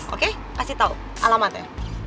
oke kasih tau alamatnya